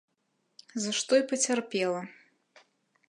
За што і пацярпела.